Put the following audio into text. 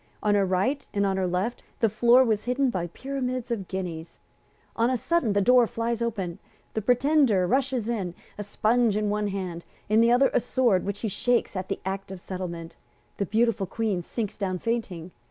On her right and on her left the floor was hidden by pyramids of guineas. On a sudden the door flies open. The Pretender rushes in, a sponge in one hand, in the other a sword which he shakes at the Act of Settlement. The beautiful Queen sinks down fainting.